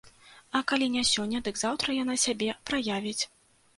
І калі не сёння, дык заўтра яна сябе праявіць.